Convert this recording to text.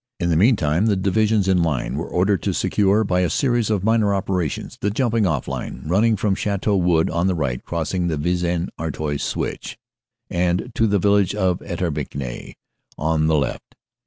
In the meantime the divisions in line were ordered to secure by a series of minor operations the jumping off line running from Chateau Wood, on the right, crossing the Vis en Artois Switch, and to the village of Eterpigny, on the left.